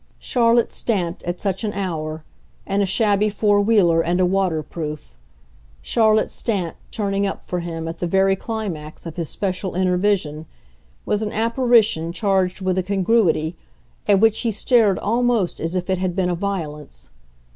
Charlotte Stant, at such an hour, in a shabby four wheeler and a waterproof, Charlotte Stant turning up for him at the very climax of his special inner vision, was an apparition charged with a congruity at which he stared almost as if it had been a violence.